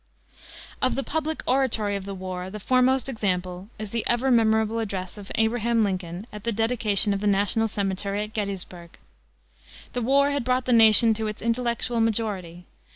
Of the public oratory of the war the foremost example is the ever memorable address of Abraham Lincoln at the dedication of the National Cemetery at Gettysburg. The war had brought the nation to its intellectual majority.